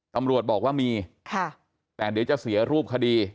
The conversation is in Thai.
ตำรวจบอกว่ามีค่ะแต่เดี๋ยวจะเสียรูปคดี